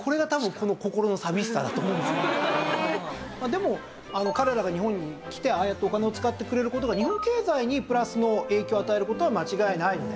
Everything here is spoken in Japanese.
でも彼らが日本に来てああやってお金を使ってくれる事が日本経済にプラスの影響を与える事は間違いないので。